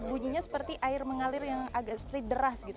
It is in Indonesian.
bunyinya seperti air mengalir yang agak seperti deras gitu